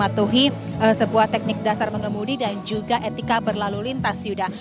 mematuhi sebuah teknik dasar mengemudi dan juga etika berlalu lintas yuda